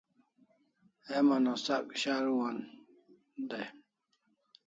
Heman o sak shuru an dai